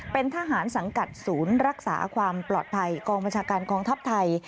เป็นทหารสังกัดศูนย์รักษาความปลอดภัยกองบัญชาการกองทัพไทย